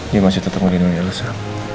dia masih tetap di dunia elsa